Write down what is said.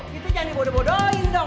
kita jangan dibodoh bodohin dong